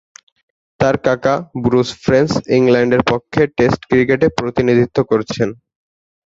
তার কাকা Bruce French ইংল্যান্ডের পক্ষে টেস্ট ক্রিকেটে প্রতিনিধিত্ব করেছেন।